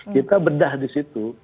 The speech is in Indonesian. kita bedah disitu